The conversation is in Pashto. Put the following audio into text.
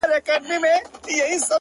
• سل مي ښځي له مېړونو جلا كړي ,